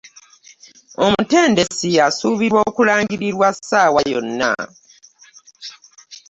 Omutendesi asuubirwa okulangirirwa esaawa yonna.